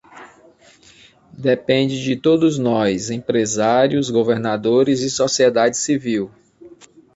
Depende de todos nós, empresários, governadores e sociedade civil.